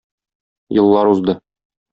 Еллар узды...